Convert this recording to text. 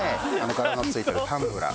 柄のついてるタンブラー。